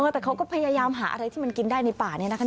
แต่เขาก็พยายามหาอะไรที่มันกินได้ในป่านี้นะคะ